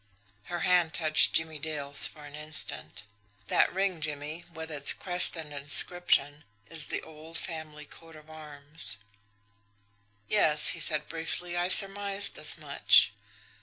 Her hand touched Jimmie Dale's for an instant. "That ring, Jimmie, with its crest and inscription, is the old family coat of arms." "Yes," he said briefly; "I surmised as much."